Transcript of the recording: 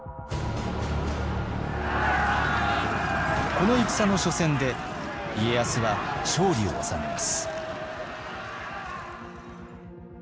この戦の緒戦で家康は勝利を収めます。